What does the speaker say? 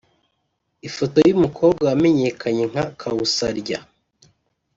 Ifoto y’umukobwa wamenyekanye nka Kausalya